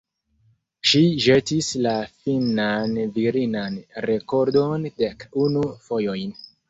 Ŝi ĵetis la finnan virinan rekordon dek unu fojojn.